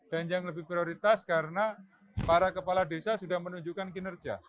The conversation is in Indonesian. dan yang lebih prioritas karena para kepala desa sudah menunjukkan kinerja